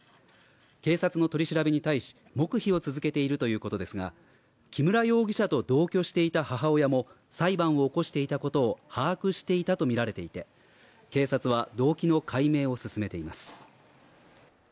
警察の取り調べに対し、黙秘を続けているということですが、木村容疑者と同居していた母親も裁判を起こしていたことを把握していたとみられていて、警察は動機の解明を進めています。